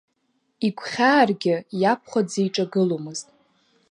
Игәхьааргьы иабхәа дзиҿагыломызт.